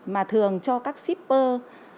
mà thường cho các shipper